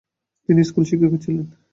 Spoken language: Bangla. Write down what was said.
তিনি স্কুল শিক্ষিকা ছিলেন।